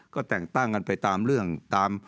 ก็แต่งตั้งกันไปตามเรื่องตาม